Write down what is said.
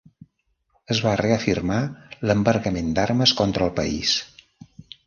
Es va reafirmar l'embargament d'armes contra el país.